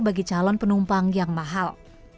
bagi calon penumpang yang mahal